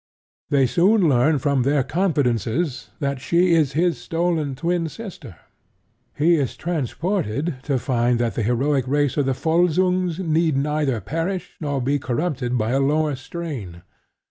They soon learn from their confidences that she is his stolen twin sister. He is transported to find that the heroic race of the Volsungs need neither perish nor be corrupted by a lower strain.